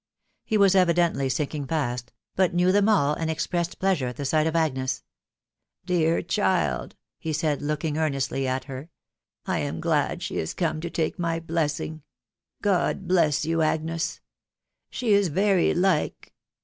He was evidently sinking fast, but knew them all, and expressed pleasure at the sight of Agnes. " Dear child !" he said, look ing earnestly at her, " 1 am glad she is come to take my blessing. •.• God bless you, Agnes !.•.. She is very like